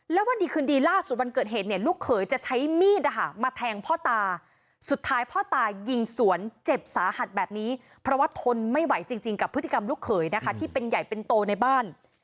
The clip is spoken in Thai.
แล้ววันดีคืนดีล่าสุดวันเกิดเหตุเนี่ยลูกเขยจะใช้มีดมาแทงพ่อตาสุดท้ายพ่อตายิงสวนเจ็บสาหัสแบบนี้เพราะว่าทนไม่ไหวจริงกับพฤติกรรมลูกเขยนะคะที่เป็นใหญ่เป็นโตในบ้าน